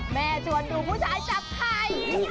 แม่ชวนดูผู้ชายจับใคร